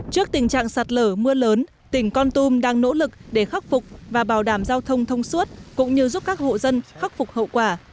trước tình trạng sạt lở mưa lớn tỉnh con tum đang nỗ lực để khắc phục và bảo đảm giao thông thông suốt cũng như giúp các hộ dân khắc phục hậu quả